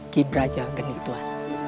ki braja geni tuhan